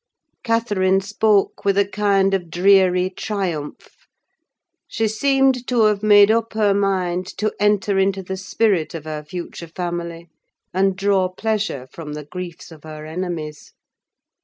Catherine spoke with a kind of dreary triumph: she seemed to have made up her mind to enter into the spirit of her future family, and draw pleasure from the griefs of her enemies.